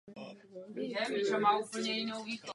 O vedení církve usilovalo několik uchazečů.